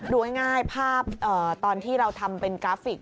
ดูง่ายภาพตอนที่เราทำเป็นกราฟิก